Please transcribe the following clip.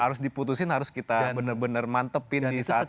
harus diputusin harus kita bener bener mantepin di saat itu